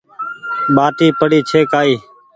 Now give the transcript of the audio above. ٻآٽي پڙي ڇي ڪآئي